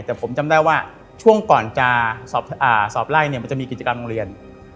แต่ผมจำได้ว่าช่วงก่อนจะสอบไล่เนี่ยมันจะมีกิจกรรมโรงเรียน